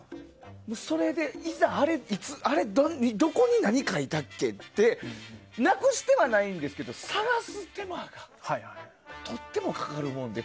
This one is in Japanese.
それでいざ、あれどこに何書いたっけってなくしてはないんですけど探す手間がとてもかかるもので。